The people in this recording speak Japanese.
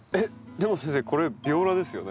でも先生これビオラですよね？